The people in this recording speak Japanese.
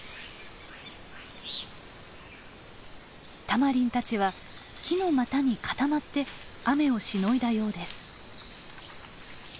タマリンたちは木の股に固まって雨をしのいだようです。